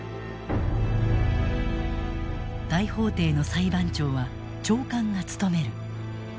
大法廷の裁判長は長官が務める。